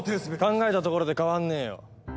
考えたところで変わんねえよ。